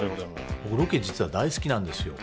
僕ロケ、実は大好きなんですよ。